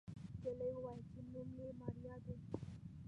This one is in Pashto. نجلۍ وويل چې نوم يې ماريا دی.